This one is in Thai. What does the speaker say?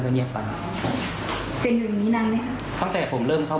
พวกนี้มีอยู่แล้วครับ